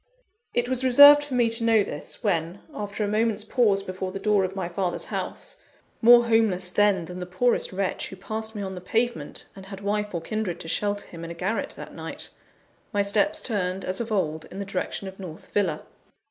It was reserved for me to know this, when after a moment's pause before the door of my father's house, more homeless, then, than the poorest wretch who passed me on the pavement, and had wife or kindred to shelter him in a garret that night my steps turned, as of old, in the direction of North Villa.